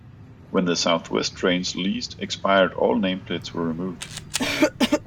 When the South West Trains lease expired all nameplates were removed.